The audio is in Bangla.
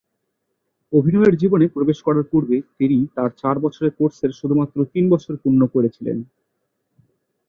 অভিনয়ের জীবনে প্রবেশ করার পূর্বে, তিনি তার চার বছরের কোর্সের শুধুমাত্র তিন বছর পূর্ণ করেছিলেন।